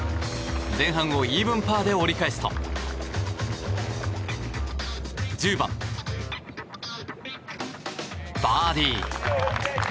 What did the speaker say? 前半をイーブンパーで折り返すと１０番、バーディー。